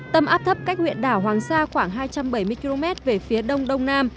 tâm áp thấp cách huyện đảo hoàng sa khoảng hai trăm bảy mươi km về phía đông đông nam